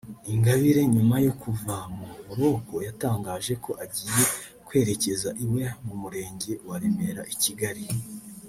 Ingabire nyuma yo kuva mu buroko yatangaje ko agiye kwerekeza iwe mu murenge wa Remera I Kigali